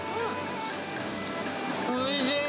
おいしい。